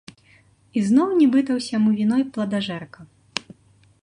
І зноў нібыта ўсяму віной пладажэрка.